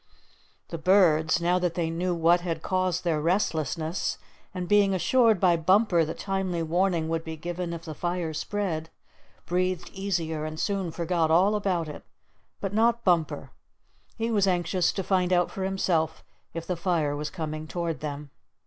The birds, now they knew what had caused their restlessness, and being assured by Bumper that timely warning would be given if the fire spread, breathed easier and soon forgot all about it. But not Bumper. He was anxious to find out for himself if the fire was coming toward them.